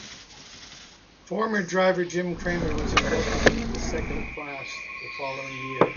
Former driver Jim Kramer was inducted into the second class the following year.